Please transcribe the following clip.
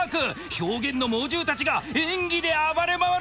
表現の猛獣たちが演技で暴れ回る！